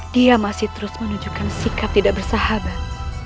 dia masih terus menunjukkan sikap tidak bersahabat